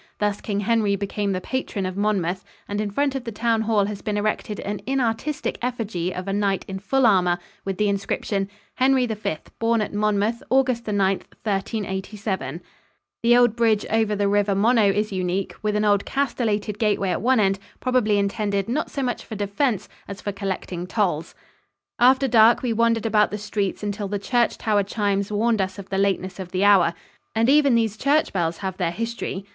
Thus King Henry became the patron of Monmouth, and in front of the town hall has been erected an inartistic effigy of a knight in full armour, with the inscription, "Henry V, born at Monmouth, August 9, 1387." The old bridge over the river Monnow is unique, with an odd, castellated gateway at one end, probably intended not so much for defense as for collecting tolls. After dark we wandered about the streets until the church tower chimes warned us of the lateness of the hour. And even these church bells have their history.